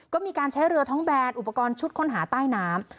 ก็มีการใช้เรือท้องแบนอุปกรณ์ชุดค้นหาใต้น้ำ